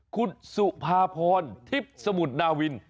คุณสุภาพรทิพย์สมุทรนาวิน